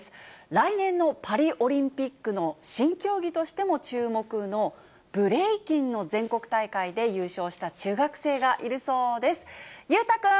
来年のパリオリンピックの新競技としても注目の、ブレイキンの全国大会で優勝した中学生がいるそうです。